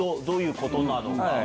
どういうことなのか。